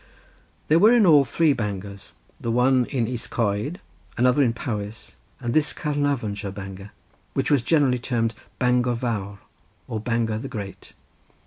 There were in all three Bangors; the one at Is Coed, another in Powis, and this Caernarvonshire Bangor, which was generally termed Bangor Vawr or Bangor the great.